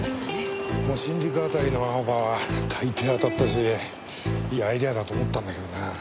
もう新宿あたりのアオバは大抵当たったしいいアイデアだと思ったんだけどなあ。